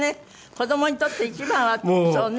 子どもにとって一番はそうね。